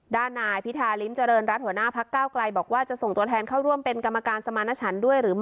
ด้านนายพิธาริมเจริญรัฐหัวหน้าพักเก้าไกลบอกว่าจะส่งตัวแทนเข้าร่วมเป็นกรรมการสมาณฉันด้วยหรือไม่